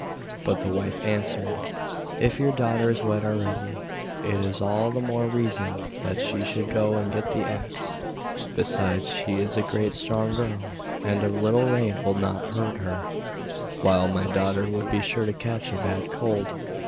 But the wife answered: 'If your daughter is wet already, it is all the more reason that she should go and get the axe. Besides, she is a great strong girl, and a little rain will not hurt her, while my daughter would be sure to catch a bad cold.